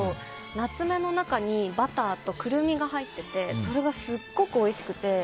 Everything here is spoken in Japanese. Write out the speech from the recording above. ナツメの中にバターとクルミが入っててそれがすっごくおいしくて。